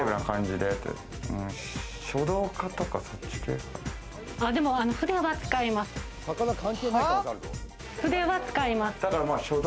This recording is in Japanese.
でも筆は使います。